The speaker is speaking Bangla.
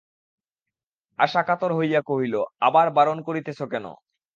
আশা কাতর হইয়া কহিল, আবার বারণ করিতেছ কেন।